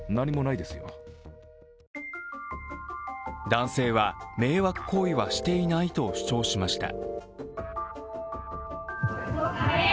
男性は迷惑行為はしていないと主張しました。